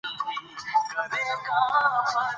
هغه باید خپل ځان نیکمرغه وګڼي.